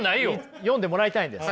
読んでもらいたいんです。